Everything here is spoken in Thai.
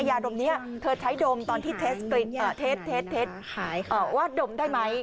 ยาดมนี้เธอใช้ดมตอนที่เทสเท็จว่าดมได้ไหม